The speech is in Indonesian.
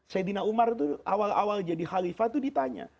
sayyidina umar itu awal awal jadi khalifah itu ditanya